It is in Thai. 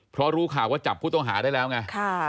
เพราะรู้ข่าวว่าจับผู้ต้องหาได้แล้วไง